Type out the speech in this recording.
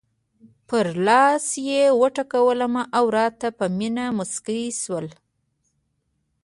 پر لاس یې وټکولم او راته په مینه مسکی شول.